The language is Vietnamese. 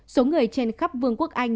số người trên khắp vương quốc anh